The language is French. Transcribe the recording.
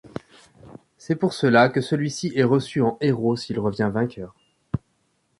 C'est pour cela que celui-ci est reçu en héros s'il revient vainqueur.